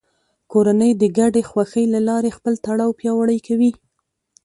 کورنۍ د ګډې خوښۍ له لارې خپل تړاو پیاوړی کوي